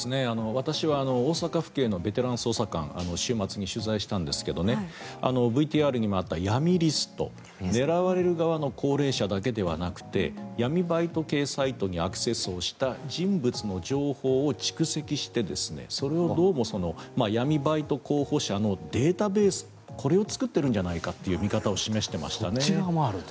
私は大阪府警のベテラン捜査官に週末に取材したんですがＶＴＲにもあった闇リスト狙われる側の高齢者だけではなくて闇バイト系サイトにアクセスをした人物の情報を蓄積してそれをどうも闇バイト候補者のデータベースこれを作っているんじゃないかというそっち側もあると。